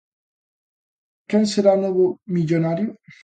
Quen será o novo millonario?